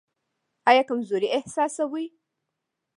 ایا کمزوري احساسوئ؟